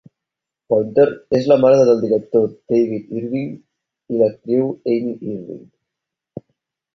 Pointer és la mare del director David Irving i l'actriu Amy Irving.